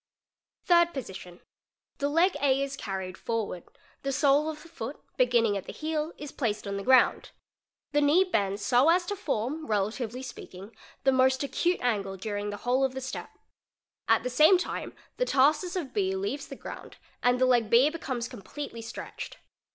| Third Position—The leg A is carried forward, the sole of the foot beginning at the heel, is placed on the ground. The knee bends so a to form, relatively speaking, the most acute angle during the whole « thestep. At the same time the tarsus of B leaves the ground and the leg B becomes completely stretched.